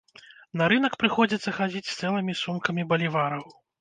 На рынак прыходзіцца хадзіць з цэлымі сумкамі балівараў.